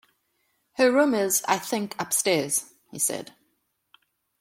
"Her room is, I think, upstairs," he said.